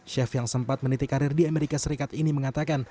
chef yang sempat menitik karir di amerika serikat ini mengatakan